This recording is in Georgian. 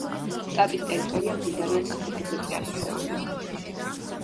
შტატის ტერიტორია მდიდარია სასარგებლო წიაღისეულით.